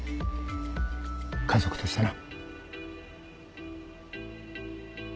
家族としてな。